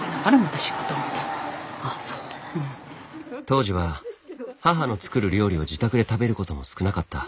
当時は母の作る料理を自宅で食べることも少なかった。